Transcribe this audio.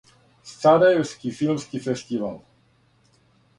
Сарајевски филмски фестивал.